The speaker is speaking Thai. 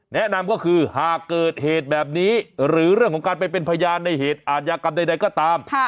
แนะนำก็คือหากเกิดเหตุแบบนี้หรือเรื่องของการไปเป็นพยานในเหตุอาทยากรรมใดก็ตาม